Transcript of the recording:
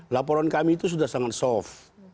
laporan kami itu sudah sangat soft